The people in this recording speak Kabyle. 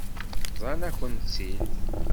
Bḍan-akent-tt-id.